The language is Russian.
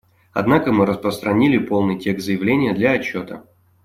Однако мы распространили полный текст заявления для отчета.